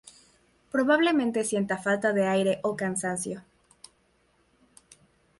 Probablemente sienta falta de aire o cansancio.